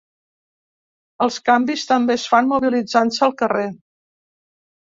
Els canvis també es fan mobilitzant-se al carrer.